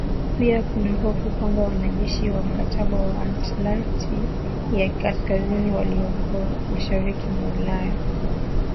Pia kuna hofu kwamba wanajeshi wa mkataba wa atlantiki ya kaskazini walioko mashariki mwa Ulaya